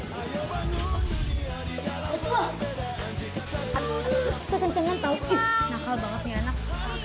hai semua kekencangan tahu nakal banget enggak enak